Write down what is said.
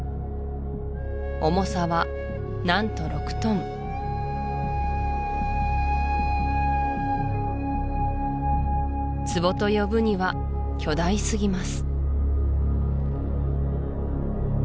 重さは何と６トン壺と呼ぶには巨大すぎます